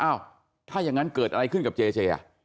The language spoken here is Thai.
อ้าวถ้ายังงั้นเกิดอะไรขึ้นกับเจเจอ่ะ